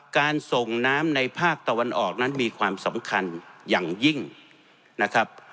การส่งน้ำในภาคตะวันออกนั้นมีความสำคัญอย่างยิ่งนะครับ